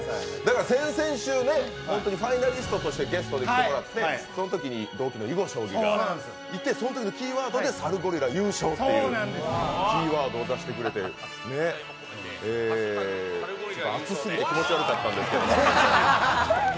先々週、ファイナリストとしてゲストで来てもらって、そのときに同期の囲碁将棋がいてそのときのキーワードでサルゴリラ優勝というキーワードを出してくれてアツすぎて気持ち悪かったんですけど。